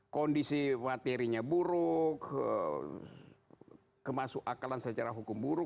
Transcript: kondisi materinya buruk kemasuk akalan secara hukum buruk